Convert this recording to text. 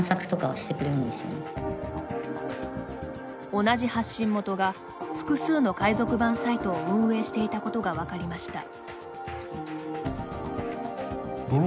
同じ発信元が複数の海賊版サイトを運営していたことが分かりました。